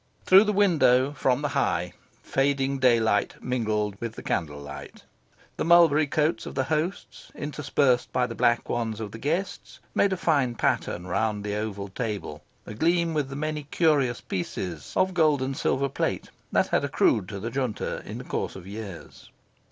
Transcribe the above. Through the window, from the High, fading daylight mingled with the candle light. The mulberry coats of the hosts, interspersed by the black ones of the guests, made a fine pattern around the oval table a gleam with the many curious pieces of gold and silver plate that had accrued to the Junta in course of years.